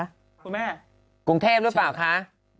คุณแม่กรุงเทพหรือเปล่าคะ